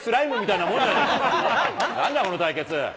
なんだ、この対決。